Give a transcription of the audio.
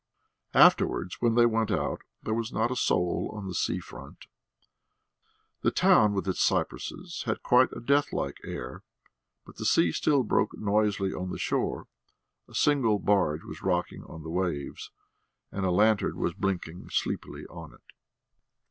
Afterwards when they went out there was not a soul on the sea front. The town with its cypresses had quite a deathlike air, but the sea still broke noisily on the shore; a single barge was rocking on the waves, and a lantern was blinking sleepily on it.